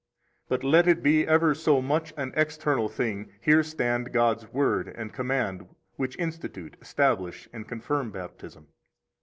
But let it be ever so much an external thing, here stand God's Word and command which institute, establish, and confirm Baptism.